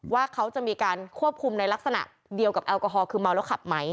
ว่าเขาจะมีการควบคุมในลักษณะเดียวกับแอลกอฮอลคือเมาแล้วขับไหม